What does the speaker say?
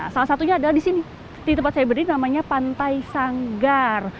salah satunya adalah di sini di tempat saya berdiri namanya pantai sanggar